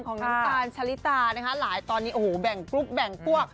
ของน้ำตาลชะลิตาหลายตอนนี้แบ่งกรุ๊ปแบ่งตัว